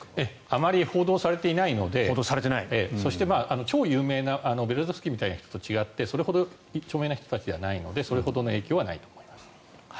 あまり報道されていないのでそして、超有名なベレゾフスキーみたいな人ではなく、著名ではないのでそれほどの影響はないと思います。